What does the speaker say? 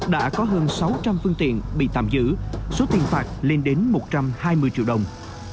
đã có hơn sáu trăm linh phương tiện bị tạm giữ số tiền phạt lên đến một trăm hai mươi triệu đồng